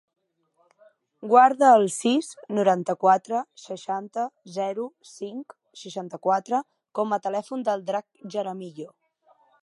Guarda el sis, noranta-quatre, seixanta, zero, cinc, seixanta-quatre com a telèfon del Drac Jaramillo.